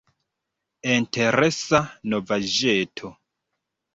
Interesa novaĵeto.